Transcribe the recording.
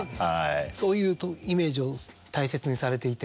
そういうイメージを大切にされていて。